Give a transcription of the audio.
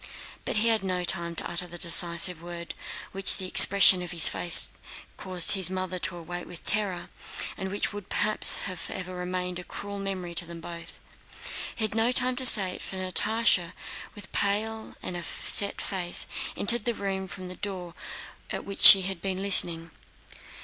But he had no time to utter the decisive word which the expression of his face caused his mother to await with terror, and which would perhaps have forever remained a cruel memory to them both. He had not time to say it, for Natásha, with a pale and set face, entered the room from the door at which she had been listening.